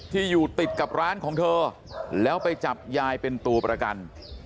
ที่อยู่ติดกับร้านของเธอแล้วไปจับยายเป็นตัวประกัน